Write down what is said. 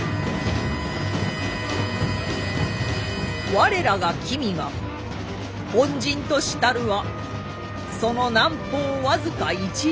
我らが君が本陣としたるはその南方僅か１里半。